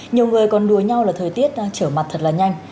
nhiều người còn đùa nhau là thời tiết đang trở mặt thật là nhanh